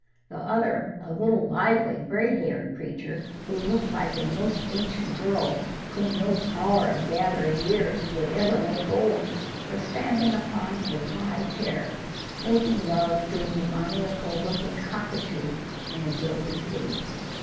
The other, a little lively gray haired creature, who looked like a most ancient girl whom no power of gathering years would ever make old, was standing upon a high chair, making love to a demoniacal looking cockatoo in a gilded cage.